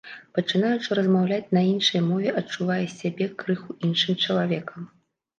Пачынаючы размаўляць на іншай мове, адчуваеш сябе крыху іншым чалавекам.